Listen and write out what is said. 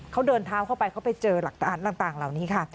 เขาเดินเท้าเข้าไปเขาไปเจอหลักฐานต่างเหล่านี้ค่ะ